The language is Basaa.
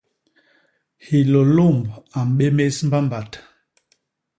Hilôlômb a mbémés mbambat.